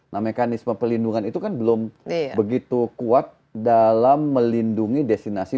nah mekanisme pelindungan itu kan belum begitu kuat dalam melindungi destinasi